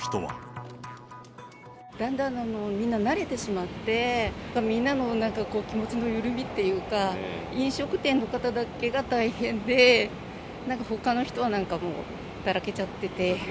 だんだんみんな、慣れてしまって、みんなの気持ちの緩みっていうか、飲食店の方だけが大変で、なんかほかの人はもうだらけちゃってて。